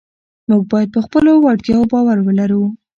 موږ باید پر خپلو وړتیاوو باور ولرو